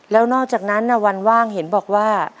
แล้วนอกจากนั้นวันว่างเห็นบอกว่า